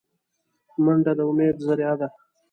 منډه د امید ذریعه ده